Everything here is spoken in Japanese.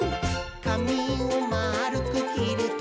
「かみをまるくきるときは、」